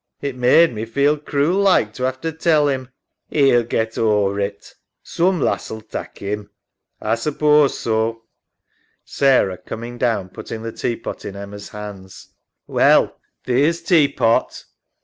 It made me feel cruel like to 'ave to tell 'im. SARAH. 'E'U get ower it. Soom lass'U tak' 'im. EMMA. A suppose so. SARAH (coming down, putting the tea pot in Emma's hands). Well, theer's tea pot.